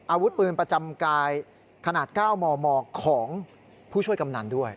อาวุธปืนประจำกายขนาด๙มมของผู้ช่วยกำนันด้วย